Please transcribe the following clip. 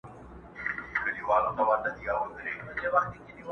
هم په لوبو هم په ټال کي پهلوانه؛